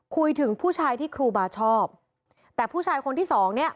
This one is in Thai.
คุยถึงผู้ชายที่ครูบาชอบแต่ผู้ชายคนที่สองเนี้ย